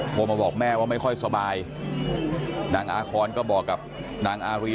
โทรมาบอกแม่ว่าไม่ค่อยสบายนางอาคอนก็บอกกับนางอารี